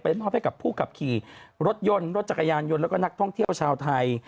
มอบให้กับผู้ขับขี่รถยนต์รถจักรยานยนต์แล้วก็นักท่องเที่ยวชาวไทย